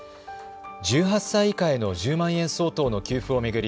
１８歳以下への１０万円相当の給付を巡り